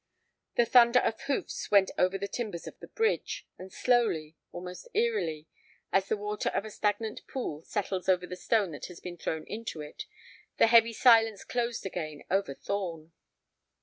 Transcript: The thunder of hoofs went over the timbers of the bridge, and slowly, almost eerily, as the water of a stagnant pool settles over the stone that has been thrown into it, the heavy silence closed again over Thorn.